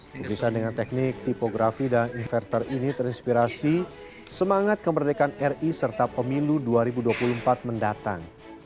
lukisan dengan teknik tipografi dan inverter ini terinspirasi semangat kemerdekaan ri serta pemilu dua ribu dua puluh empat mendatang